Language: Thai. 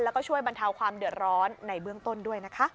แล้วก็ช่วยบรรเทาความเดือดร้อนในเบื้องต้นด้วยนะคะ